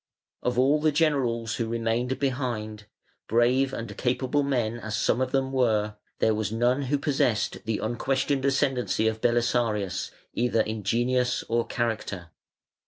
Of all the generals who remained behind, brave and capable men as some of them were, there was none who possessed the unquestioned ascendancy of Belisarius, either in genius or character.